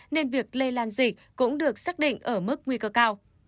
nên việc lây lan dịch cũng được xác định ở mức nguy cơ cao